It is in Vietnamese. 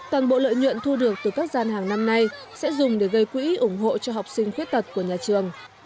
toàn bộ lợi nhuận thu được từ các gian hàng năm nay sẽ dùng để gây quỹ ủng hộ cho học sinh khuyết tật của nhà trường